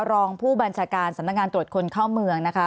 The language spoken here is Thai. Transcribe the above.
รองผู้บัญชาการสำนักงานตรวจคนเข้าเมืองนะคะ